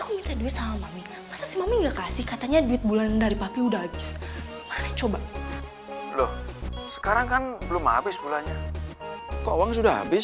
kok uangnya sudah habis